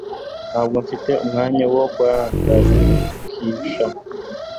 Ntabwo mfite umwanya wo kuguhangayikisha